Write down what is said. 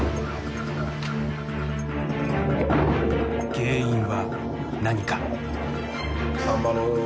原因は何か。